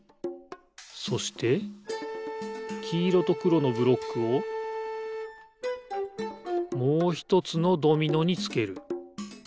そしてきいろとくろのブロックをもうひとつのドミノにつける。